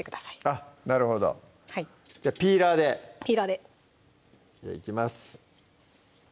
あっなるほどじゃピーラーでピーラーでいきます